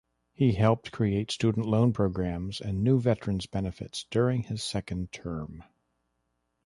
He helped create student loan programs and new veterans benefits during his second term.